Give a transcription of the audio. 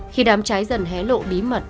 khi đám trái dần hé lộ bí mật